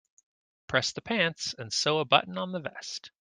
Press the pants and sew a button on the vest.